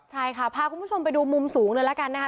ใช่ค่ะพาคุณผู้ชมไปดูมุมสูงเลยละกันนะคะ